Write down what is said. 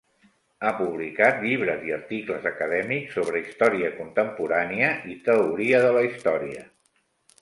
Ha publicat llibres i articles acadèmics sobre història contemporània i teoria de la història.